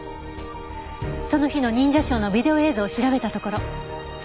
その日の忍者ショーのビデオ映像を調べたところ。